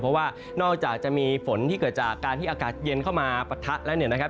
เพราะว่านอกจากจะมีฝนที่เกิดจากการที่อากาศเย็นเข้ามาปะทะแล้วเนี่ยนะครับ